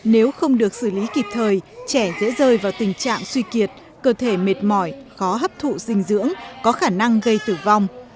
nếu không được xử lý kịp thời trẻ dễ rơi vào tình trạng suy kiệt cơ thể mệt mỏi khó hấp thụ dinh dưỡng có khả năng gây tử vong